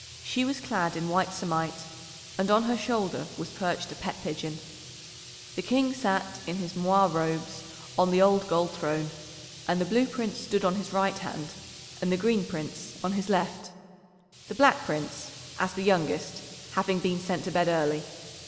She was clad in white samite, and on her shoulder was perched a pet pigeon. The King sat in his moiré robes on the old gold throne, and the Blue Prince stood on his right hand, and the Green Prince on his left, the Black Prince as the youngest having been sent to bed early.